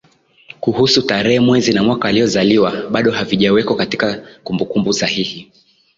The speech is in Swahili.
Kuhusu tarehe Mwezi na Mwaka aliozaliwa bado havijawekwa katika kumbukumbu sahihi